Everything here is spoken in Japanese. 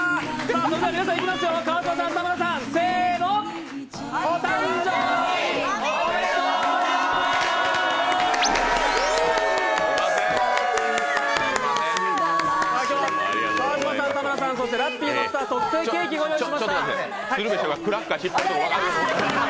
皆さんいきますよー川島さん、田村さんお誕生日、おめでとうございます！